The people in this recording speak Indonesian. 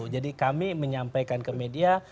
jadi kami menyampaikan ke media